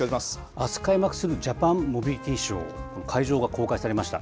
あす開幕するジャパンモビリティーショー、会場が公開されました。